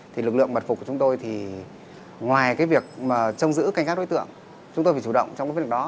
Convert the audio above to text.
thì lực lượng mật phục của chúng tôi thì ngoài cái việc mà trông giữ canh các đối tượng chúng tôi phải chủ động trong cái việc đó